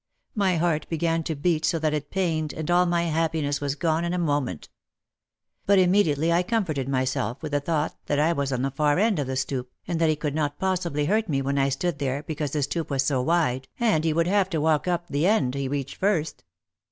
My heart began to beat so that it pained and all my happiness was gone in a moment. But immediately I comforted myself with the thought that I was on the far end of the stoop and that he could not possibly hurt me when I stood there be cause the stoop was so wide and he would have to walk up the end he reached first.